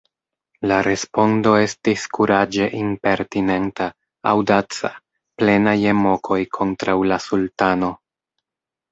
La respondo estis kuraĝe impertinenta, aŭdaca, plena je mokoj kontraŭ la sultano.